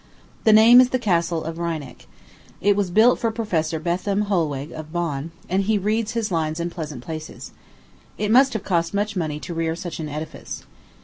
The name is the Castle of Reineck. It was built for Professor Bethman Holweg, of Bonn, and he reads his lines in pleasant places. It must have cost much money to rear such an edifice.